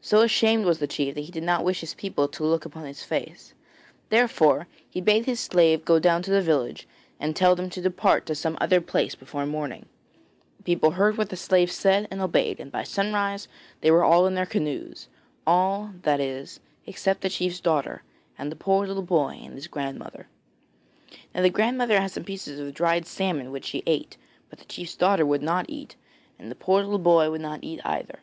So ashamed was the chief that he did not wish his people to look upon his face, therefore he bade his slave go down to the village and tell them to depart to some other place before morning. The people heard what the slave said and obeyed, and by sunrise they were all in their canoes all, that is, except the chief's daughter, and the poor little boy and his grandmother. Now the grandmother had some pieces of dried salmon which she ate; but the chief's daughter would not eat, and the poor little boy would not eat either.